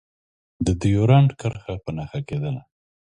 د ډیورنډ کرښه په نښه کېدله.